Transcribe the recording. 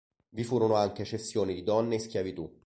Vi furono anche cessioni di donne in schiavitù.